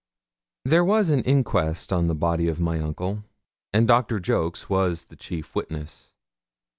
There was an inquest on the body of my uncle, and Dr. Jolks was the chief witness.